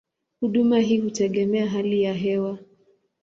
Huduma hii hutegemea hali ya hewa.